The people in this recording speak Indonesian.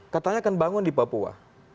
katanya akan bangun di papua